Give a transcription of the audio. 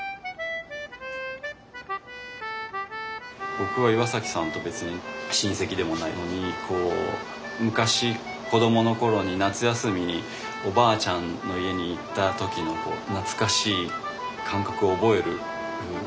僕は岩さんと別に親戚でもないのにこう昔子どもの頃に夏休みにおばあちゃんの家に行った時の懐かしい感覚を覚える。